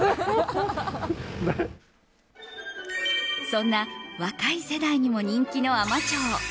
そんな若い世代にも人気の海士町。